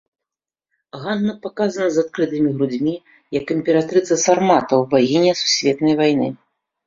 Ганна паказана з адкрытымі грудзьмі, як імператрыца сарматаў, багіня сусветнай вайны.